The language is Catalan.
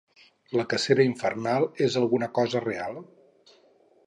La cacera infernal és alguna cosa real?